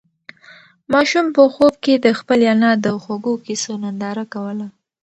ماشوم په خوب کې د خپلې انا د خوږو قېصو ننداره کوله.